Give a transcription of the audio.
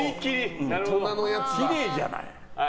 きれいじゃない。